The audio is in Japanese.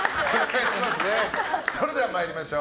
それでは参りましょう。